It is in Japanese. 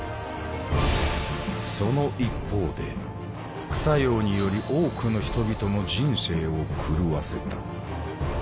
その一方で副作用により多くの人々の人生を狂わせた。